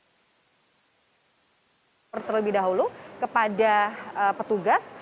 mereka harus mengecek dulu api jarak jauh terlebih dahulu kepada petugas